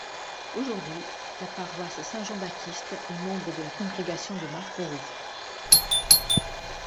Aujourd’hui, la paroisse Saint-Jean Baptiste est membre de la congrégation de Marlborough.